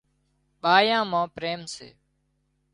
ٻائيان مان پريم سي